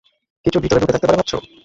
কিছু ভিতরে ঢুকে থাকতে পারে ভাবছো?